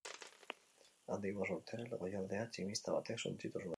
Handik bost urtera, goialdea tximista batek suntsitu zuen.